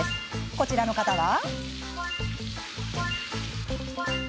こちらの方は。